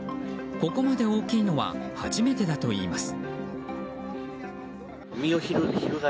ここまで大きいのは初めてだといいます。